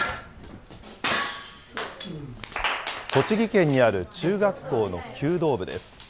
栃木県にある中学校の弓道部です。